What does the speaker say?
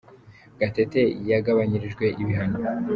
Gatete yagabanyirijwe ibihano